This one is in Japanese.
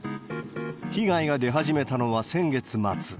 被害が出始めたのは先月末。